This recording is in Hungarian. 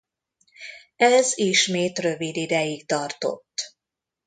Ez ismét rövid ideig tartott.